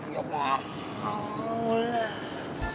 ya mau lah